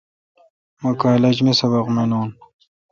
مہ کالج می سبق مینون۔